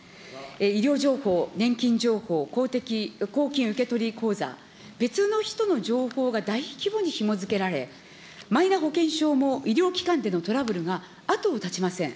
医療情報、年金情報、公金受取口座、別の人の情報が大規模にひも付けられ、マイナ保険証も医療機関でのトラブルが後を絶ちません。